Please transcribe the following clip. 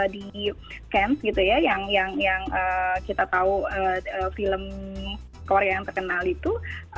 di kents gitu ya yang kita tahu film korea yang terkenal itu